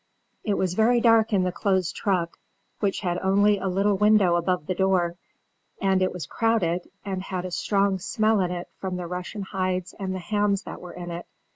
It was very dark in the closed truck, which had only a little window above the door; and it was crowded, and had a strong smell in it from the Russian hides and the hams that were in it.